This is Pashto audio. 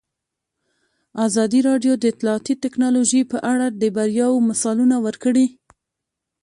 ازادي راډیو د اطلاعاتی تکنالوژي په اړه د بریاوو مثالونه ورکړي.